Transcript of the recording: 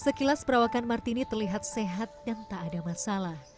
sekilas perawakan martini terlihat sehat dan tak ada masalah